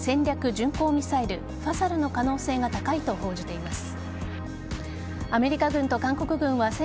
巡航ミサイル・ファサルの可能性が高いと報じています。